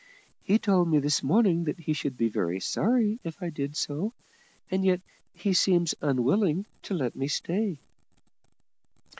He told me this morning that he should be sorry if I did so, and yet he seems unwilling to let me stay."